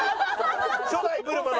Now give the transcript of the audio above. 初代ブルマの。